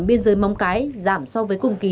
biên giới mông cái giảm so với cùng kỳ